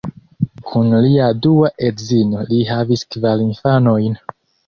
Kun lia dua edzino li havis kvar infanojn.